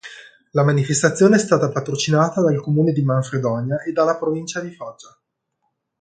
La manifestazione è stata patrocinata dal Comune di Manfredonia e dalla Provincia di Foggia.